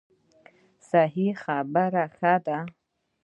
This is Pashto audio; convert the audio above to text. صحیح خبره ښه ده.